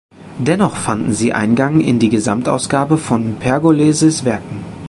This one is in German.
Dennoch fanden sie Eingang in die Gesamtausgabe von Pergolesis Werken.